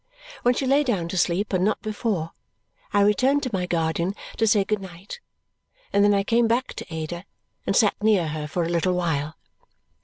When she lay down to sleep, and not before, I returned to my guardian to say good night, and then I came back to Ada and sat near her for a little while.